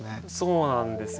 そうなんですよ。